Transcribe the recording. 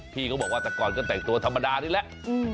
พี่เขาบอกว่าแต่ก่อนก็แต่งตัวธรรมดานี่แหละ